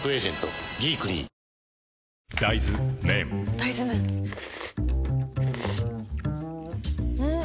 大豆麺ん？